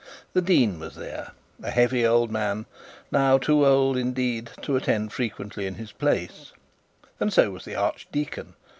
The dean was there, a heavy old man, now too old, indeed, to attend frequently in his place; and so was the archdeacon.